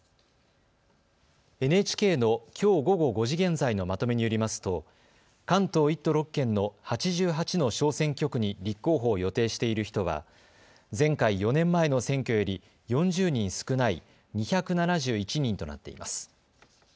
ＮＨＫのきょう午後５時現在のまとめによりますと関東１都６県の８８の小選挙区に立候補を予定している人は前回、４年前の選挙より４０人少ない２７１人となっています。